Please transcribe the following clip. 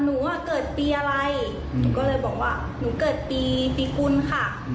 หนูอ่ะเกิดปีอะไรหนูก็เลยบอกว่าหนูเกิดปีปีกุลค่ะ